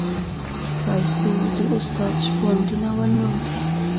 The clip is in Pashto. ښایستو د استاد شپون د ناول نوم دی.